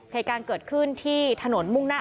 เหตุการณ์เกิดขึ้นที่ถนนมุ่งหน้า